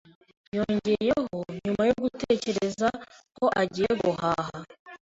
Yongeyeho, nyuma yo gutekereza, ko agiye guhaha.